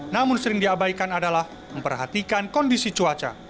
namun sering diabaikan adalah memperhatikan kondisi cuaca